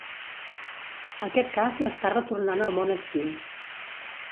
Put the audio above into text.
Aquest cas l'està retornant al món actiu.